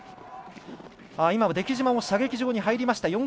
出来島も射撃場に入りました。